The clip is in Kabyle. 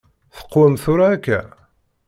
Teqwem tura akka?